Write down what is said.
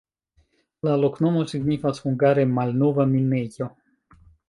La loknomo signifas hungare: malnova minejo.